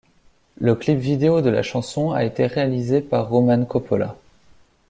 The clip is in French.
Le clip vidéo de la chanson a été réalisé par Roman Coppola.